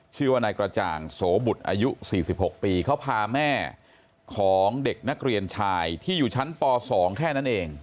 ชื่อว่านายกระจ่างโสบุตรอายุ๔๖ปีเขาพาแม่ของเด็กนักเรียนชายที่อยู่ชั้นป๒แค่นั้นเอง